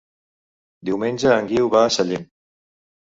Diumenge en Guiu va a Sallent.